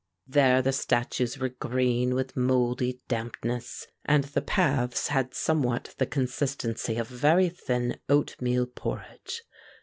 There the statues were green with mouldy dampness, and the paths had somewhat the consistency of very thin oatmeal porridge.